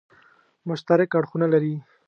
مشترک اړخونه لري.